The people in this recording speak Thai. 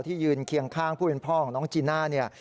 ที่ยืนเคียงข้างผู้เป็นพ่อของน้องจินะนี่